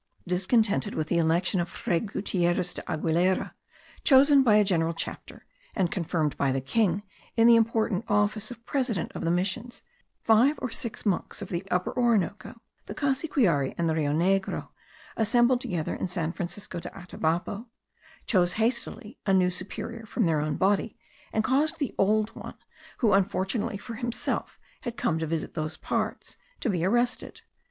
Discontented with the election of Fray Gutierez de Aguilera, chosen by a general chapter, and confirmed by the king in the important office of president of the missions, five or six monks of the Upper Orinoco, the Cassiquiare, and the Rio Negro, assembled together at San Fernando de Atabapo; chose hastily a new superior from their own body; and caused the old one, who, unfortunately for himself, had come to visit those parts, to be arrested.